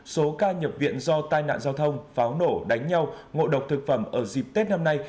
số ca nhập viện do tai nạn giao thông pháo nổ đánh nhau ngộ độc thực phẩm ở dịp tết năm nay